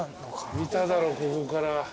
見ただろここから。